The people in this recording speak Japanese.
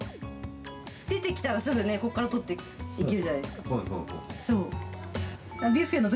出てきたらすぐね、ここから取っていけるじゃないですか。